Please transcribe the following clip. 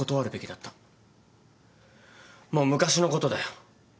もう昔のことだよ。